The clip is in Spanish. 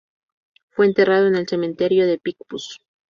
Fue enterrado en el cementerio de Picpus.